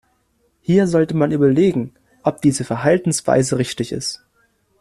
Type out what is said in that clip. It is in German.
Hier sollte man überlegen, ob diese Verhaltensweise richtig ist.